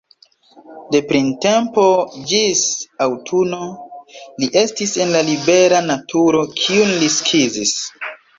De printempo ĝis aŭtuno li estis en la libera naturo, kiun li skizis.